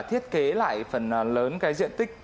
thiết kế lại phần lớn cái diện tích